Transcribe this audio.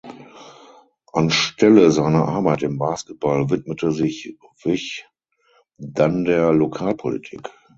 Anstelle seiner Arbeit im Basketball widmete sich Wich dann der Lokalpolitik.